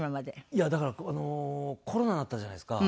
いやだからあのコロナになったじゃないですか。